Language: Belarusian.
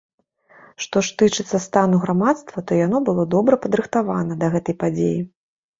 Што ж тычыцца стану грамадства, то яно было добра падрыхтавана да гэтай падзеі.